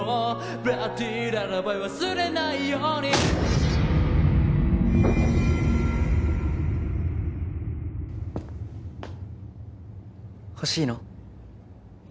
ブラッディ・ララバイ忘れないように欲しいの？